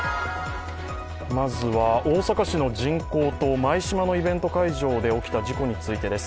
まずは、大阪市の人工島舞洲のイベント会場で起きた事故についてです。